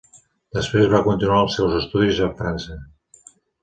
Després va continuar els seus estudis en França.